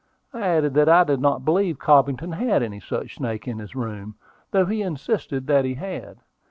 I added that I did not believe Cobbington had any such snake in his room, though he insisted that he had.